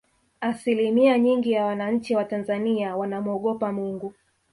asilimia nyingi ya wananchi wa tanzania wanamuogopa mungu